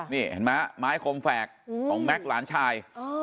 นี่เห็นไหมไม้คมแฝกของแม็กซ์หลานชาย